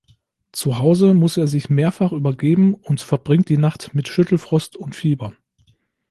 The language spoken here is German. Zuhause muss er sich mehrfach übergeben und verbringt die Nacht mit Schüttelfrost und Fieber.